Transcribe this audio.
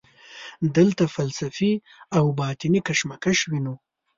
دلته فلسفي او باطني کشمکش وینو.